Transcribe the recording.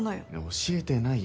教えてないよ